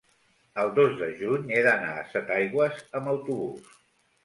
El dos de juny he d'anar a Setaigües amb autobús.